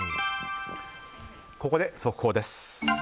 ここで速報です。